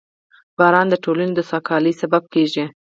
• باران د ټولنې د سوکالۍ سبب کېږي.